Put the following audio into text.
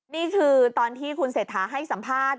นี่คือตอนที่คุณเศรษฐาให้สัมภาษณ์